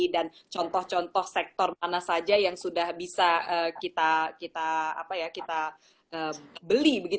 nah ini juga bisa dikontrol sektor mana saja yang sudah bisa kita beli